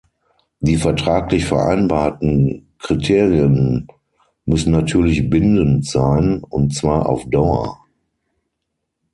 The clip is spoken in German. Die vertraglich vereinbarten Kriterien müssen natürlich bindend sein, und zwar auf Dauer.